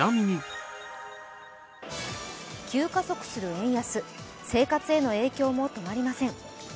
急加速する円安、生活への影響も止まりません。